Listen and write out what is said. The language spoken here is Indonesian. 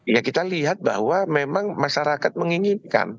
nah kita lihat bahwa memang masyarakat menginginkan